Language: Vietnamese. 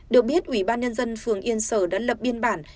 được biết ủy ban nhân dân phường yên sở đã lập biên bản